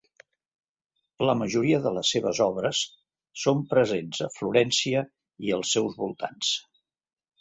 La majoria de les seves obres són presents a Florència i als seus voltants.